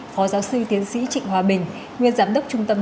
phó giáo sư tiến sĩ trịnh hòa bình nguyên giám đốc trung tâm